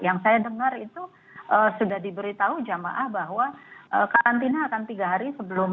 yang saya dengar itu sudah diberitahu jamaah bahwa karantina akan tiga hari sebelum